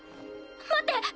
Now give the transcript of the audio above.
待って！